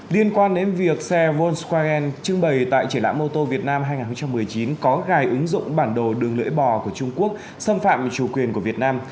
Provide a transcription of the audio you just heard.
liên quan đến việc xe volkswaren trưng bày tại triển lãm mô tô việt nam hai nghìn một mươi chín có gài ứng dụng bản đồ đường lưỡi bò của trung quốc xâm phạm chủ quyền của việt nam